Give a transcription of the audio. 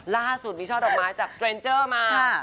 ล่าสุดมีช่อดอกไม้จากสเตรนเจอร์มา